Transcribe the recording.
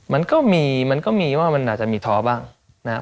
มันก็มีมันก็มีว่ามันอาจจะมีท้อบ้างนะครับ